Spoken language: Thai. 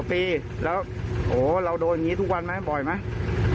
ปีแล้วโหเราโดนอย่างนี้ทุกวันไหมบ่อยไหม